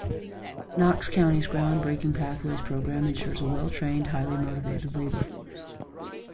Knox County's ground breaking Pathways Program insures a well-trained, highly motivated labor force.